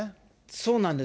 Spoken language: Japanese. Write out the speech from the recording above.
そうなんです。